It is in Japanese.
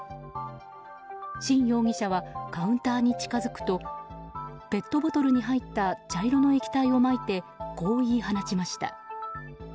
辛容疑者はカウンターに近づくとペットボトルに入った茶色の液体をまいてこう言い放ちました。